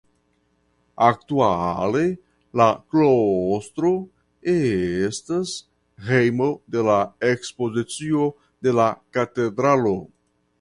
Aktuale la klostro estas hejmo de la ekspozicio de la katedralo.